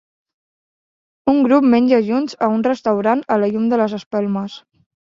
Un grup menja junts a un restaurant a la llum de les espelmes.